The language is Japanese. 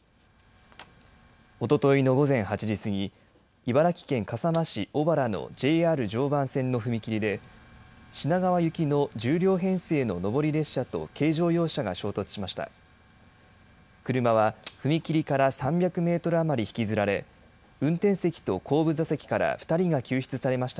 おとといの午前８時過ぎ、茨城県笠間市小原のＪＲ常磐線の踏切で、品川行きの１０両編成の上り列車と軽乗用車が衝突しました。